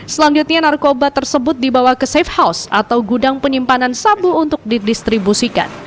selanjutnya narkoba tersebut dibawa ke safe house atau gudang penyimpanan sabu untuk didistribusikan